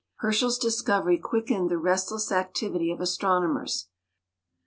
Herschel's discovery quickened the restless activity of astronomers.